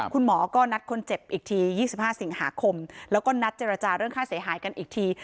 คุณหมอก็นัดคนเจ็บอีกที๒๕สิงหาคมแล้วก็นัดเจรจาเรื่องค่าเสียหายกันอีกที